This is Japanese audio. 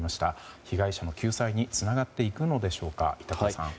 被害者の救済につながっていくのでしょうか板倉さん。